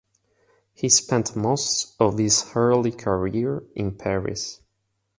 He spent most of his early career in Paris.